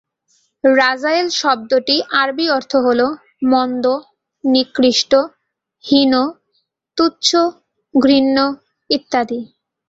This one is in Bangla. রাজায়েল শব্দটি আরবি, অর্থ হলো মন্দ, নিকৃষ্ট, হীন, তুচ্ছ, ঘৃণ্য ইত্যাদি।